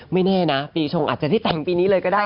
แน่นะปีชงอาจจะได้แต่งปีนี้เลยก็ได้